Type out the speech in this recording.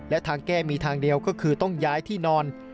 และทางแก้มีทางเดียวก็คือต้องย้ายที่นอน